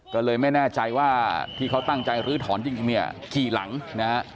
ก็เลยไม่แน่ใจว่าที่เขาตั้งใจลื้อถอนจริงเนี่ยกี่หลังนะฮะ